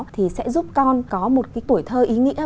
thì sẽ giúp con có một cái tuổi thơ ý nghĩa